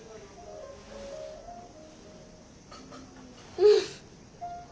うん！